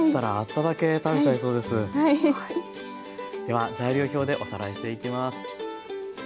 では材料表でおさらいしていきます。